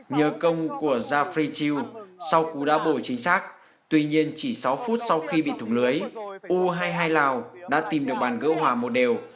nhờ công của zafritiu sau cú đa bổi chính xác tuy nhiên chỉ sáu phút sau khi bị thủng lưới u hai mươi hai lào đã tìm được bàn gỡ hòa một đều